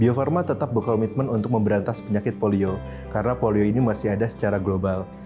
bio farma tetap berkomitmen untuk memberantas penyakit polio karena polio ini masih ada secara global